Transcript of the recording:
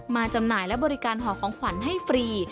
จำหน่ายและบริการห่อของขวัญให้ฟรี